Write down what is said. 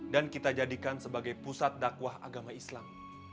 dan kita jadikan sebagai pusat dakwah agama islam